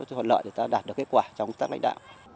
thuận lợi để ta đạt được kết quả trong công tác lãnh đạo